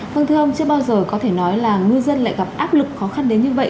vâng thưa ông chưa bao giờ có thể nói là ngư dân lại gặp áp lực khó khăn đến như vậy